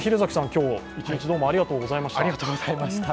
今日、一日どうもありがとうございました。